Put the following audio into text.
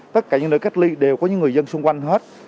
tất cả những nơi cách ly đều có những người dân xung quanh hết